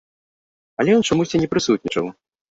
Але ён чамусьці не прысутнічаў.